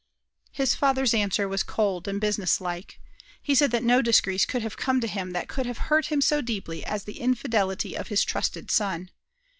His father's answer was cold and businesslike. He said that no disgrace could have come to him that could have hurt him so deeply as the infidelity of his trusted son.